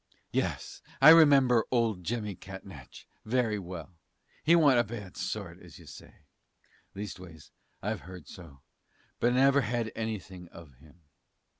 Yes, I remember 'old Jemmy Catnach' very well; he wa'n't a bad sort, as you say; leastways, I've heard so, but I never had anything of him.